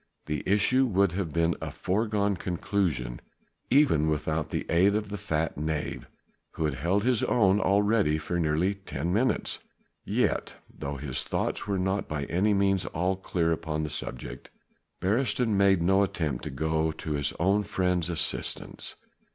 The issue would have been a foregone conclusion even without the aid of the fat knave who had held his own already for nearly ten minutes. Yet, though his thoughts were not by any means all clear upon the subject, Beresteyn made no attempt to go to his own friend's assistance.